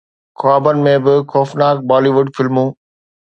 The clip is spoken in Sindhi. خوابن ۾ به خوفناڪ بالي ووڊ فلمون